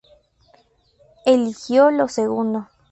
Eligió lo segundo.